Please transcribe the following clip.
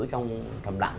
trong thầm lặng